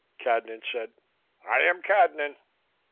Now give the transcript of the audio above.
Cadnan said: "I am Cadnan."